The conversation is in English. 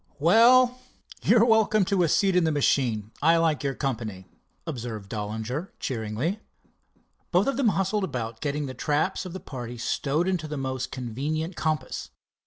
"Well, you're welcome to a seat in the machine. I like your company," observed Dollinger cheeringly. Both of them bustled about getting the traps of the party stowed into the most convenient compass.